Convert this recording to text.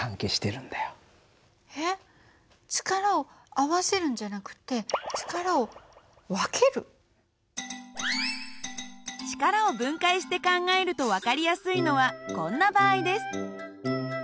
えっ力を合わせるんじゃなくて力を分解して考えると分かりやすいのはこんな場合です。